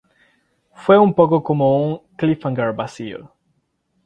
Fue un poco como un cliffhanger vacío.